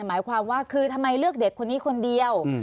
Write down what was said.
หมายความว่าคือทำไมเลือกเด็กคนนี้คนเดียว